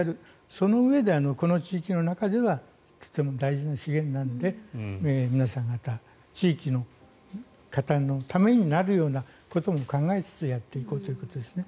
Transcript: そのうえでこの地域の中ではとても大事な資源なので皆さん方、地域の方のためになるようなことも考えつつやっていこうということですね。